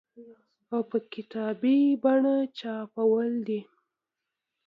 او په کتابي بڼه چاپول دي